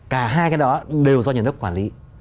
cả hai cái đó đều do nhà nước quản lý